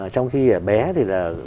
trong khi bé thì là